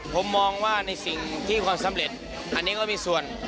ผมมองว่าในสิ่งที่ความสำเร็จอันนี้ก็มีส่วน